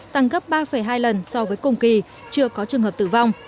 tăng gấp ba hai lần so với cùng kỳ chưa có trường hợp tử vong